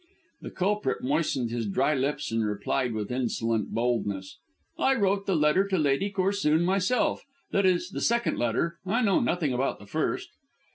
The culprit moistened his dry lips and replied with insolent boldness: "I wrote that letter to Lady Corsoon myself that is, the second letter. I know nothing about the first."